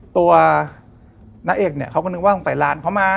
ตัวน้าเอกเขาก็นึกว่าตั้งแต่ร้านเขามา